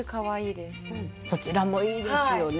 そちらもいいですよね。